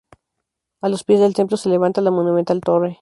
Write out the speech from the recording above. A los pies del templo se levanta la monumental torre.